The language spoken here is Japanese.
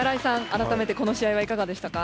あらためてこの試合はいかがでしたか？